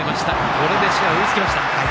これで追いつきました。